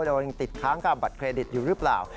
เรายังติดค้างกับบัตรเครดิตอยู่หรือเปล่า